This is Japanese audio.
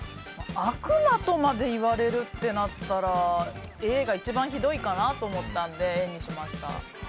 悪魔とまで言われるってなったらＡが一番ひどいかなと思ったのでＡにしました。